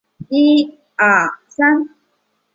她有两个姐妹和一个兄弟。